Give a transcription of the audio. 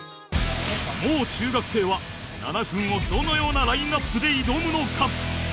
もう中学生は７分をどのようなラインアップで挑むのか？